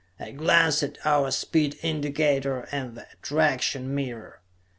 I glanced at our speed indicator and the attraction meter.